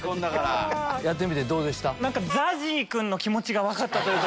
やってみてどうでした？